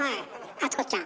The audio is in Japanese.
淳子ちゃん。